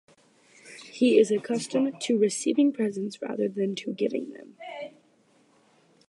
He is accustomed to receiving presents rather than to giving them.